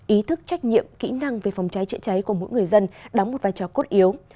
ý thức trách nhiệm kỹ năng về phòng cháy chữa cháy của mỗi người dân đóng một vai trò cốt yếu